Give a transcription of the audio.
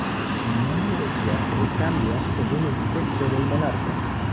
El nombre del teatro cambia según el sexo del monarca.